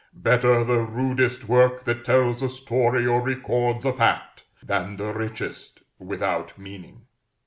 Better the rudest work that tells a story or records a fact, than the richest without meaning.